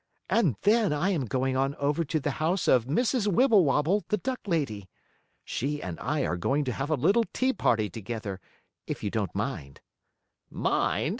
"And then I am going on over to the house of Mrs. Wibblewobble, the duck lady. She and I are going to have a little tea party together, if you don't mind." "Mind?